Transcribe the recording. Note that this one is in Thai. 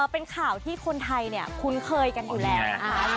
เป็นข่าวที่คนไทยคุ้นเคยกันอยู่แล้ว